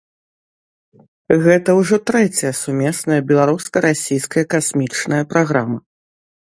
Гэта ўжо трэцяя сумесная беларуска-расійская касмічная праграма.